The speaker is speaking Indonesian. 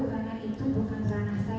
karena itu bukan ranah saya